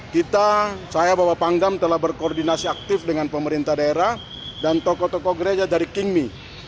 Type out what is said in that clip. kita saya bapak pangdam telah berkoordinasi aktif dengan pemerintah daerah dan tokoh tokoh gereja dari kingmi